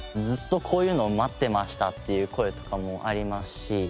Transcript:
「ずっとこういうのを待ってました」っていう声とかもありますし。